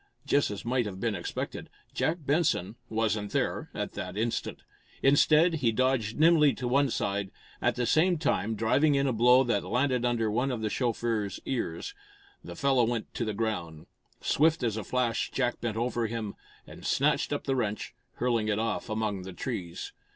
Just as might have been expected, Jack Benson wasn't there at that instant. Instead, he dodged nimbly to one side, at the same time driving in a blow that landed under one of the chauffeur's ears. The fellow went to the ground. Swift as a flash Jack bent over him, and snatched up the wrench, hurling it off among the trees.